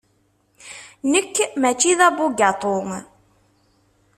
Nekk maci d abugaṭu.